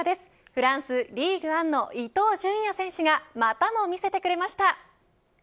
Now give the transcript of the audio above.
フランス、リーグアンの伊東純也選手がまたも見せてくれました。